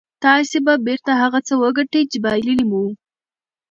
تاسې به بېرته هغه څه وګټئ چې بايللي مو وو.